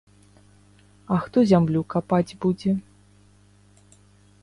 А хто зямлю капаць будзе?